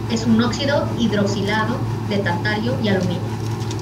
Es un óxido hidroxilado de tantalio y aluminio.